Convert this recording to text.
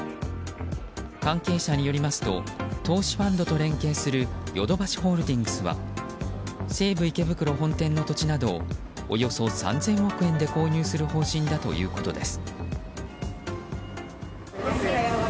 関係者によりますと投資ファンドと連携するヨドバシホールディングスは西武池袋本店の土地などをおよそ３０００億円で購入する方針だということです。